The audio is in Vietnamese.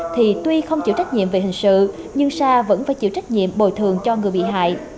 thì tuy không chịu trách nhiệm về hình sự nhưng sa vẫn phải chịu trách nhiệm bồi thường cho người bị hại